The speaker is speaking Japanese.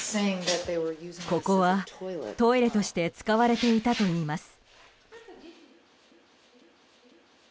ここはトイレとして使われていたといいます。